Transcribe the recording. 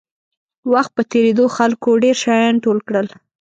وخت په تېرېدو خلکو ډېر شیان ټول کړل.